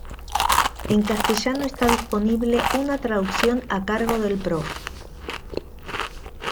En castellano está disponible una traducción a cargo del Prof.